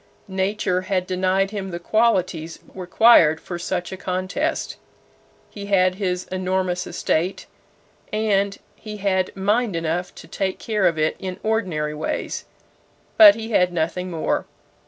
Nature had denied him the qualities required for such a contest. He had his enormous estate, and he had mind enough to take care of it in ordinary ways; but he had nothing more.